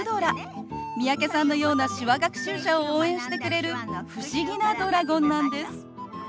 三宅さんのような手話学習者を応援してくれる不思議なドラゴンなんです。